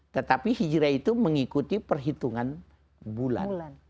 tetapi hijrah itu mengikuti perhitungan bulan